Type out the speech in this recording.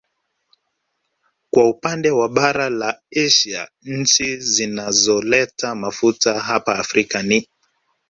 Kwa upande wa bara la Asia nchi zinazoleta mafuta hapa Afrika ni